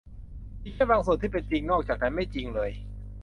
มีแค่บางส่วนที่เป็นจริงนอกจากนั้นไม่จริงเลย